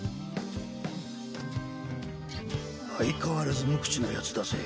相変わらず無口なヤツだぜ。